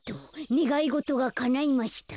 ねがいごとがかないました。